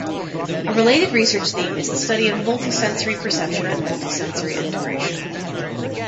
A related research theme is the study of multisensory perception and multisensory integration.